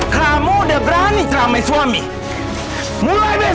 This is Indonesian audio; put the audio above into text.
kamu udah berani ceramah suami mulai besok seluruh kamu pengajian